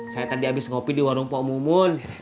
saya tadi abis ngopi di warung poham umun